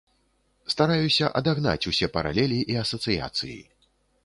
Стараюся адагнаць усе паралелі і асацыяцыі.